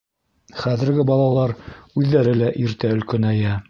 Хәҙерге балалар үҙҙәре лә иртә өлкәнәйә.